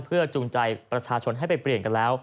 เพื่อจูงใจประชาชนให้ไปเปลี่ยนกันแล้ว